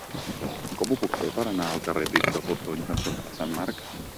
Com ho puc fer per anar al carrer Pintor Fortuny cantonada Sant Marc?